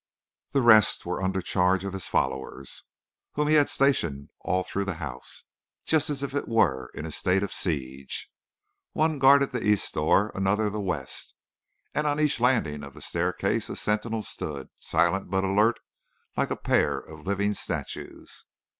"The rest were under charge of his followers, whom he had stationed all through the house, just as if it were in a state of siege. One guarded the east door and another the west, and on each landing of the staircase a sentinel stood, silent but alert, like a pair of living statues.